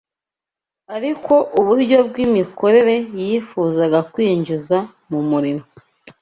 Ariko uburyo bw’imikorere yifuzaga kwinjiza mu murimo